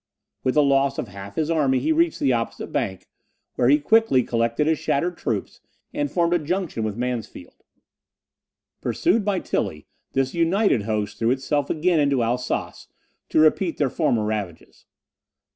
With the loss of half his army he reached the opposite bank, where he quickly collected his shattered troops, and formed a junction with Mansfeld. Pursued by Tilly, this united host threw itself again into Alsace, to repeat their former ravages.